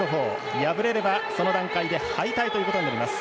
敗れれば、その段階で敗退ということになります。